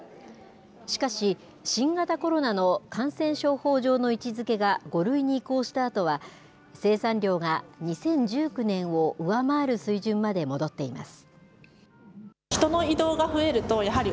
しかし、新型コロナの感染症法上の位置づけが５類に移行したあとは、生産量が２０１９年を上回る水準まで戻っています。